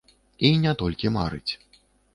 І не толькі марыць.